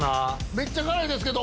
めっちゃ辛いですけど。